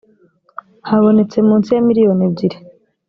habonetse munsi ya miliyoni ebyiri